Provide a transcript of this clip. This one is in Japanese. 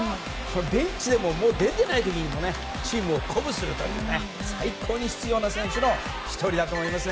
ベンチでも出てない時にもチームを鼓舞する最高に必要な選手の１人だと思います。